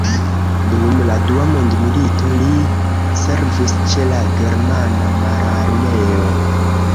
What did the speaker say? Dum la Dua mondmilito li servis ĉe la germana mararmeo.